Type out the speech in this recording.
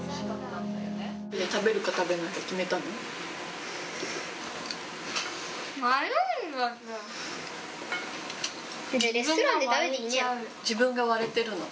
食べるか、食べないか決めたの？